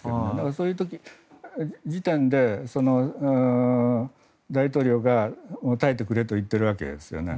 そういう時点で大統領が耐えてくれと言っているわけですよね。